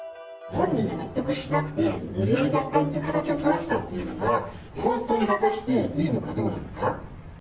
本人が納得してなくて、無理やり脱会という形を取らせたのが、本当に果たしていいのか、どうなのか。